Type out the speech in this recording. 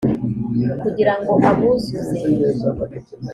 kugira ngo abuzuze